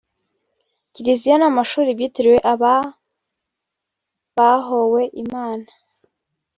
kiliziya n’amashuri byitiriwe aba bahowe Imana